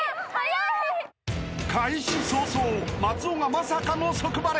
［開始早々松尾がまさかの即バレ！］